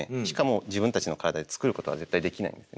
しかも自分たちの体で作ることは絶対できない。